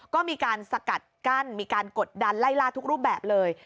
ก็มีการสกัดกั้นมีการกดดันไล่ล่าทุกรูปแบบเลย